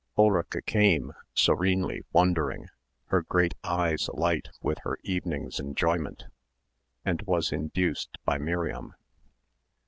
Ulrica came, serenely wondering, her great eyes alight with her evening's enjoyment and was induced by Miriam.